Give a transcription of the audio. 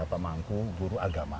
pak mangku guru agama